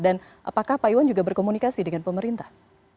dan apakah pak iwan juga berkomunikasi dengan pemerintah